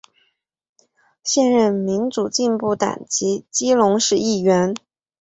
现任民主进步党籍基隆市议员。